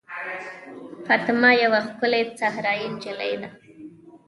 فاطمه یوه ښکلې صحرايي نجلۍ ده.